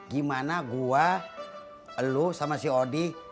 gimana gua elu sama si odi